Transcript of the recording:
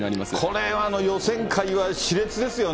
これは予選会はしれつですよね。